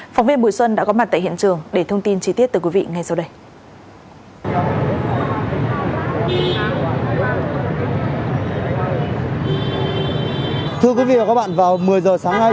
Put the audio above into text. phóng viên bùi xuân đã có mặt tại hiện trường để thông tin chi tiết từ quý vị ngay sau đây